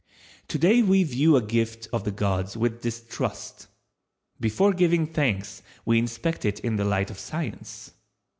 Today we view a gift of the gods with distrust. Before giving thanks we inspect it in the light of Science.